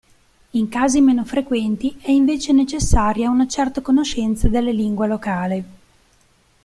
In casi meno frequenti è invece necessaria una certa conoscenza della lingua locale.